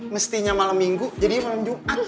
mestinya malam minggu jadi malam jumat